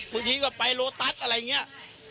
บางทีก็ไปโลตัสอะไรเงี้ย